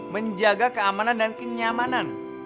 menjaga keamanan dan kenyamanan